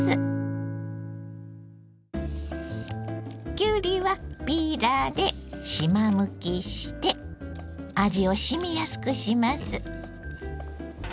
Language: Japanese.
きゅうりはピーラーでしまむきして味をしみやすくします。